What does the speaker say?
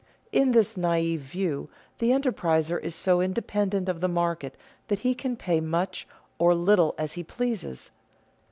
In this naive view the enterpriser is so independent of the market that he can pay much or little as he pleases.